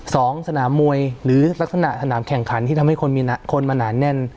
สองสนามมวยหรือลักษณะสนามแข่งขันที่ทำให้คนมีคนมาหนาแน่น